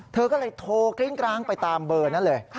เธอก็เลยโทรกริ้งกร้างไปตามเบอร์นั้นเลย